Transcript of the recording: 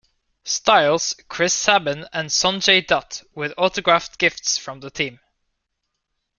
Styles, Chris Sabin, and Sonjay Dutt with autographed gifts from the team.